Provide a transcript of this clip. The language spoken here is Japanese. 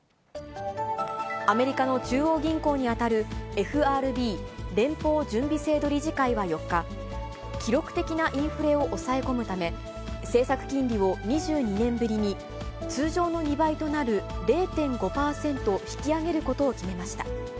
アメリカの中央銀行に当たるＦＲＢ・連邦準備制度理事会は４日、記録的なインフレを抑え込むため、政策金利を２２年ぶりに、通常の２倍となる、０．５％引き上げることを決めました。